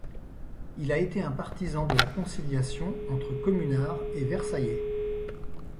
Il a été un partisan de la conciliation entre Communards et Versaillais.